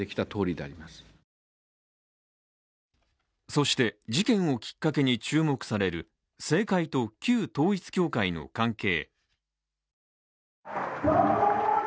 そして事件をきっかけに注目される政界と旧統一教会の関係。